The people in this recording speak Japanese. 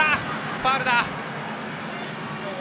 ファウルだ！